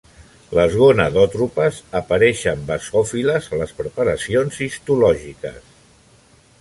Les gonadotropes apareixen basòfiles a les preparacions histològiques.